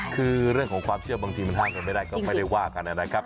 คือเรื่องของความเชื่อบางทีมันห้ามกันไม่ได้ก็ไม่ได้ว่ากันนะครับ